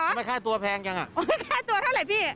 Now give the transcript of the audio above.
ทำไมค่าตัวแพงจังอะถ้าตัวเท่าไรพี่